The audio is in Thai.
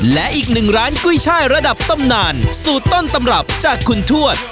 และอีกหนึ่งร้านกุ้ยช่ายระดับตำนานสูตรต้นตำรับจากคุณทวด